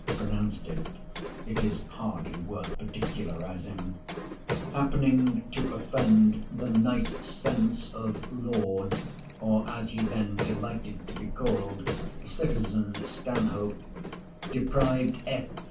pronounced it, (it is hardly worth particularising), happening to offend the nice sense of Lord, or, as he then delighted to be called, Citizen Stanhope, deprived F.